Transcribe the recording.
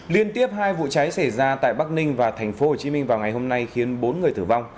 liên tiếp hai vụ cháy xảy ra tại bắc ninh và thành phố hồ chí minh vào ngày hôm nay khiến bốn người thử vong